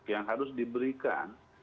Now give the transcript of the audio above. yang harus diberikan